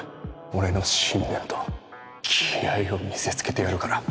俺の信念と気合を見せつけてやるから。